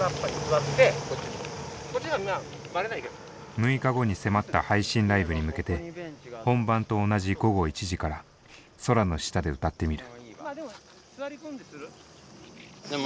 ６日後に迫った配信ライブに向けて本番と同じ午後１時から空の下で歌ってみる。